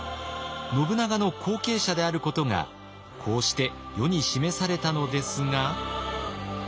信長の後継者であることがこうして世に示されたのですが。